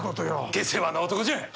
下世話な男じゃ。